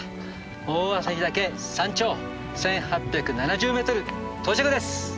大朝日岳山頂１，８７０ｍ到着です！